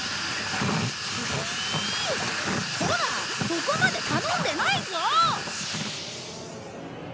そこまで頼んでないぞ。